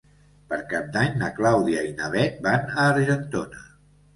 Per Cap d'Any na Clàudia i na Bet van a Argentona.